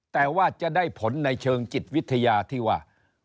แต่ว่าจะได้ผลในเชิงจิตวิทยาที่ว่า